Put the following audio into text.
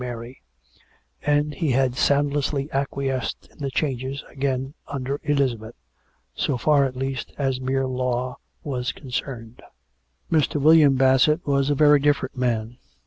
Mary; and he had soundlessly acquiesced in the changes again under Elizabeth — so far, at least, as mere law was concerned. 230 COME RACK! COME ROPE! Mr. William Basfsett was a very different man.